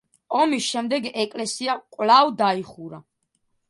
ომის შემდეგ ეკლესია კვლავ დაიხურა.